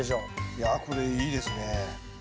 いやこれいいですね。